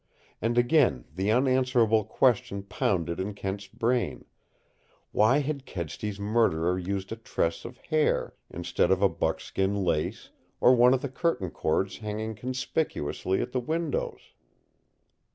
And again the unanswerable question pounded in Kent's brain why had Kedsty's murderer used a tress of hair instead of a buckskin lace or one of the curtain cords hanging conspicuously at the windows?